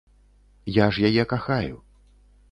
Я ж яе кахаю.